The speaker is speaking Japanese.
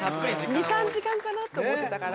２３時間かなと思ってたから。